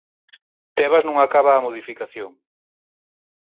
Tebas non acaba a modificación.